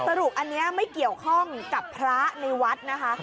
สรุปอันนี้ไม่เกี่ยวข้องกับพระในวัดนะคะ